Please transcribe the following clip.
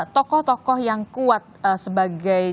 tokoh tokoh yang kuat sebagai